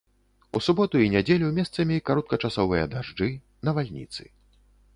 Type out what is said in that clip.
У суботу і нядзелю месцамі кароткачасовыя дажджы, навальніцы.